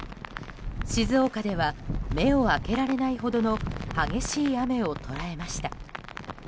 静岡では目を開けられないほどの激しい雨を捉えました。